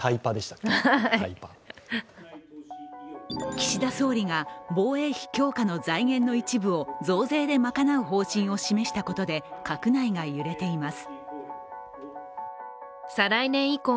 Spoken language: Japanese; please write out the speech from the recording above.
岸田総理が防衛費強化の財源の一部を増税で賄う方針を示したことで、閣内が揺れています。